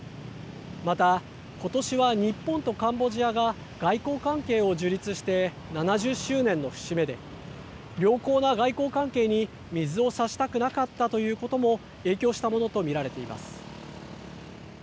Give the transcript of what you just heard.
また、ことしは、日本とカンボジアが外交関係を樹立して７０周年の節目で、良好な外交関係に水をさしたくなかったということも、影響したものと見られています。